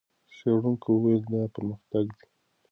څېړونکو وویل، دا پرمختګ دی.